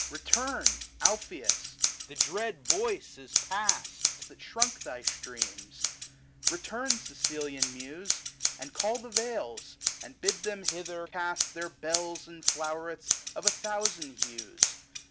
Return, Alpheus ; the dread voice is past That shrunk thy streams ; return Sicilian Muse, And call the vales, and bid them hither cast Their bells and flowerets of a thousand hues.